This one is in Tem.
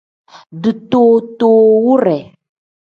Ditootowure.